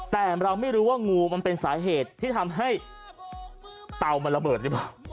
แต่เราไม่รู้ว่างูมันเป็นสาเหตุที่ทำให้เตามันระเบิดหรือเปล่า